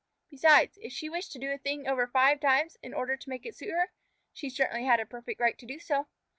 Besides, if she wished to do a thing over five times in order to make it suit her, she certainly had a perfect right to do so.